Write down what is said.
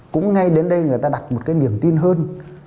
cũng ngay đến đây người ta đặt một cái niềm tin hơn